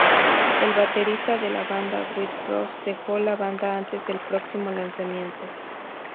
El baterista de la banda, Wes Cross dejó la banda antes del próximo lanzamiento.